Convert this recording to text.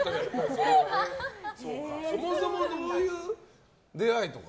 そもそもどういう出会いとか。